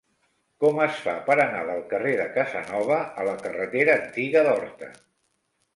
Com es fa per anar del carrer de Casanova a la carretera Antiga d'Horta?